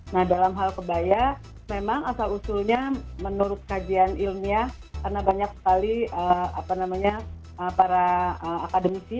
nah dalam hal kebaya memang asal usulnya menurut kajian ilmiah karena banyak sekali para akademisi